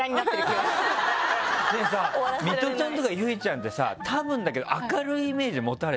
でもさミトちゃんとか結実ちゃんってさたぶんだけど明るいイメージ持たれてるじゃん。